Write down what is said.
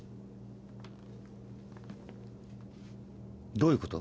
どういうこと？